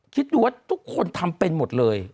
คิดดูว่าทุกคนทำเป็นหมดเลย